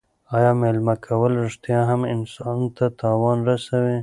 آیا مېله کول رښتیا هم انسان ته تاوان رسوي؟